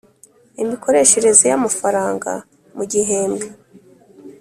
imikoreshereje y’amafaranga mu gihembwe;